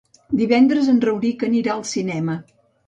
Divendres en Rauric anirà al cinema.